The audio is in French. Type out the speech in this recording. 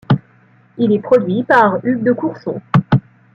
Il est produit par Hughes de Courson.